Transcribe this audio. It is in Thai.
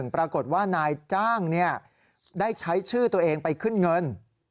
ปรากฏว่านายจ้างได้ใช้ชื่อตัวเองไปขึ้นเงิน